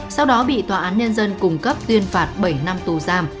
sau đó bị tòa án nhân dân cung cấp tuyên phạt bảy năm tù giam